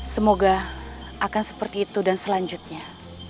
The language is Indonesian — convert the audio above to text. semoga akan seperti itu dan selanjutnya